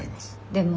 でも。